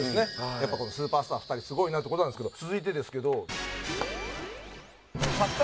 やっぱこのスーパースター２人すごいなって事なんですけど続いてですけど。